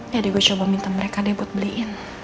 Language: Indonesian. jadi gue coba minta mereka deh buat beliin